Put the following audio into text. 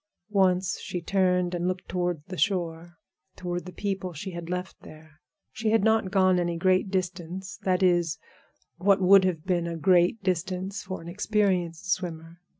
Once she turned and looked toward the shore, toward the people she had left there. She had not gone any great distance—that is, what would have been a great distance for an experienced swimmer.